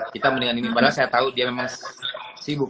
kita mendingan ini padahal saya tahu dia memang sibuk